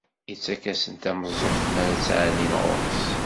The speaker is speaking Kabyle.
Ittak-asen-d tameẓẓuɣt mi ara ttɛennin ɣur-s.